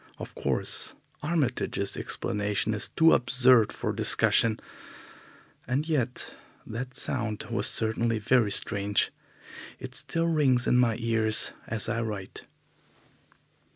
Of course, Armitage's explanation is too absurd for discussion, and yet that sound was certainly very strange. It still rings in my ears as I write.